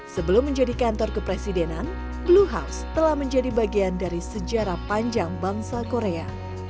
sebelum menjadi kantor kepresidenan blue house telah menjadi bagian dari sejarah panjang bangsa korea